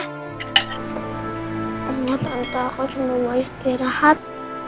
tanya tante aku cuma mau istirahat